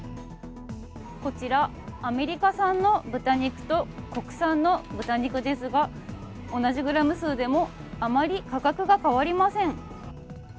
こちらアメリカ産の豚肉と国産の豚肉ですが同じグラム数でも、あまり価格が変わりません。